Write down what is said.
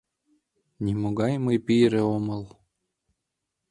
— Нимогай мый пире омыл...